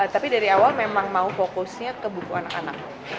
tapi dari awal memang mau fokusnya ke buku anak anak